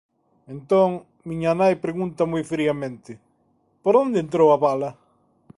Entón, miña nai pregunta moi friamente: «Por onde entrou a bala?».